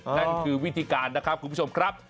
นั่นคือวิธีการคุณผู้ชมครับ